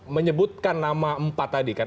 menyebutkan nama empat tadi kan